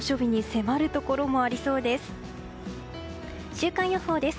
週間予報です。